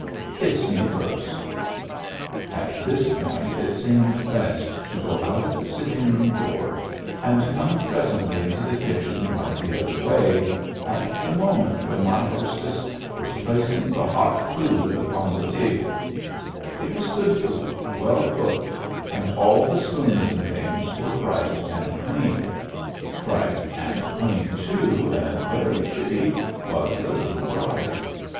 Kiss me first." At this point it seemed best to go out of the sitting room door and come presently into the kitchen by the other way, at the moment when my hostess was placing the hot food upon the Digitized by Google 284 MEMBERS OF THE FAMILY table. It was good food, well cooked; and all the spoons and things were bright and clean. Bright and clean too, and very pretty, was the little bride.